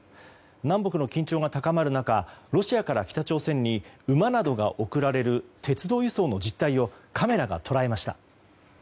南北の緊張が高まる中ロシアから北朝鮮に馬などが送られる鉄道輸送の実態をカメラが捉えました。